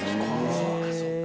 そうかそうか。